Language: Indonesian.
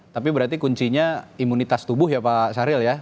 tapi berarti kuncinya imunitas tubuh ya pak syahril ya